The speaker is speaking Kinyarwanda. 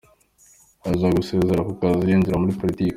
Aza gusezera ako kazi yinjira muri poritiki.